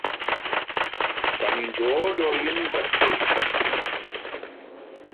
'Dan ni'n dod o'r un brethyn.